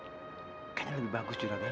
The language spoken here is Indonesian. bukankah itu lebih bagus juragan